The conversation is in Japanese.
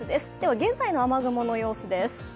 現在の雨雲の様子です。